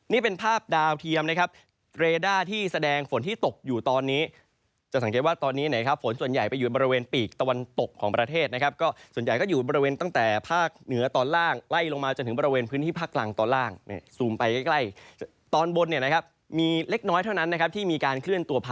นี่เป็นภาพดาวเทียมนะครับเรด้าที่แสดงฝนที่ตกอยู่ตอนนี้จะสังเกตว่าตอนนี้นะครับฝนส่วนใหญ่ไปอยู่บริเวณปีกตะวันตกของประเทศนะครับก็ส่วนใหญ่ก็อยู่บริเวณตั้งแต่ภาคเหนือตอนล่างไล่ลงมาจนถึงบริเวณพื้นที่ภาคกลางตอนล่างเนี่ยซูมไปใกล้ตอนบนเนี่ยนะครับมีเล็กน้อยเท่านั้นนะครับที่มีการเคลื่อนตัวพ